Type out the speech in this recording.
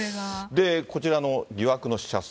こちらの疑惑の死者数。